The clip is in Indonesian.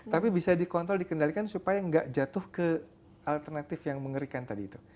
tapi bisa dikontrol dikendalikan supaya nggak jatuh ke alternatif yang mengerikan tadi itu